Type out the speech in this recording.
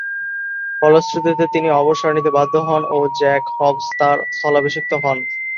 ফলশ্রুতিতে তিনি অবসর নিতে বাধ্য হন ও জ্যাক হবস তার স্থলাভিষিক্ত হন।